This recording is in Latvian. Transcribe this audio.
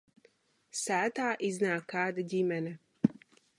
Sētā iznāk kāda ģimene.